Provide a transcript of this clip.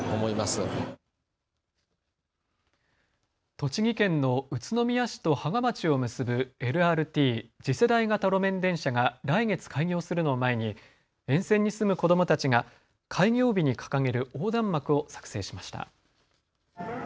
栃木県の宇都宮市と芳賀町を結ぶＬＲＴ・次世代型路面電車が来月開業するのを前に沿線に住む子どもたちが開業日に掲げる横断幕を作成しました。